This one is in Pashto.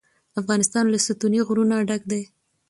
افغانستان له ستوني غرونه ډک دی.